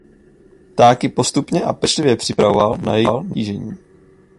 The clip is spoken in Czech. Ptáky postupně a pečlivě připravoval na jejich zatížení.